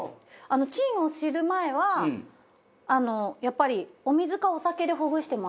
チンを知る前はやっぱりお水かお酒でほぐしてました。